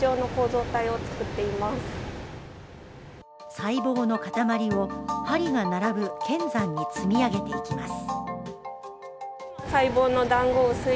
細胞の塊を針が並ぶ針山に積み上げていきます。